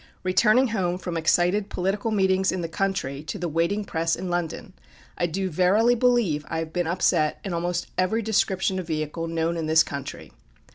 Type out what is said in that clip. Returning home from excited political meetings in the country to the waiting press in London, I do verily believe I have been upset in almost every description of vehicle known in this country.